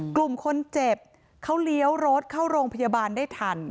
กลุ่มคนเจ็บเขาเลี้ยวรถเข้าโรงพยาบาลได้ทัน